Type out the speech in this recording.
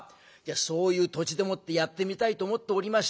そういう土地でもってやってみたいと思っておりました。